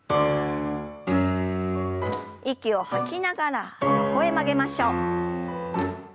息を吐きながら横へ曲げましょう。